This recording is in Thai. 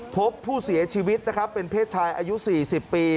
พบผู้เสียชีวิตนะครับเป็นเพศชายอายุ๔๐ปี